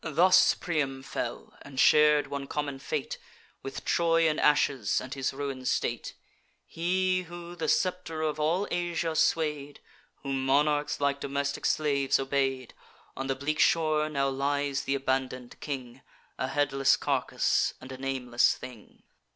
Thus Priam fell, and shar'd one common fate With Troy in ashes, and his ruin'd state: He, who the scepter of all Asia sway'd, Whom monarchs like domestic slaves obey'd. On the bleak shore now lies th' abandon'd king, A headless carcass, and a nameless thing.